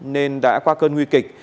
nên đã qua cơn nguy kịch